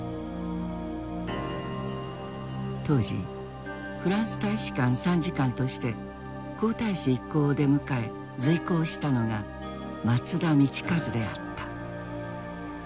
当時フランス大使館参事官として皇太子一行を出迎え随行したのが松田道一であった。